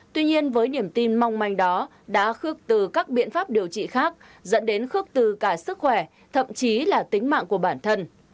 tuy nhiên với niềm tin mong manh đó đã khước từ các biện pháp điều trị khác dẫn đến khước từ cả sức khỏe thậm chí là tính mạng của bản thân